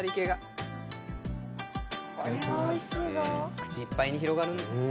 口いっぱいに広がるんです。